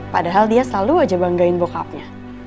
padahal dia selalu aja banggain bockupnya